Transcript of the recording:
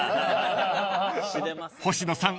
［星野さん